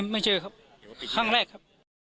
ไม่เจอครับครั้งแรกครับ